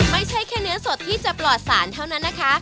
ไม่ใช่แค่เนื้อสดที่จะปลอดสารเท่านั้นนะคะ